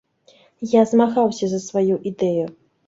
Я змагаўся за сваю ідэю.